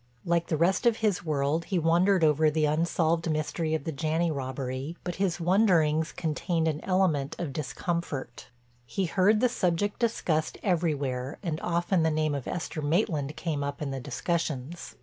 Like the rest of his world he wondered over the unsolved mystery of the Janney robbery, but his wonderings contained an element of discomfort. He heard the subject discussed everywhere and often the name of Esther Maitland came up in the discussions.